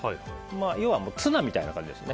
要はツナみたいな感じです